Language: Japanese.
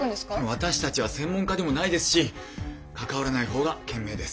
私たちは専門家でもないですし関わらない方が賢明です。